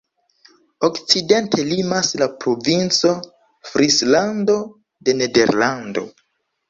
Okcidente limas la Provinco Frislando de Nederlando.